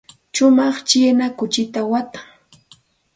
Shumaq china kuchita watan.